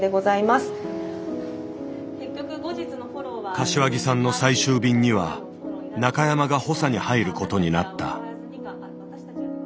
柏木さんの最終便には中山が補佐に入ることになった。